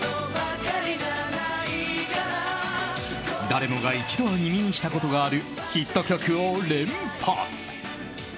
誰もが一度は耳にしたことがあるヒット曲を連発。